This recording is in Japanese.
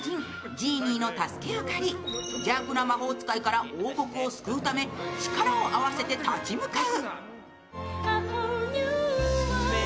ジーニーの助けを借り、邪悪な魔法使いから王国を救うため力を合わせて立ち向かう。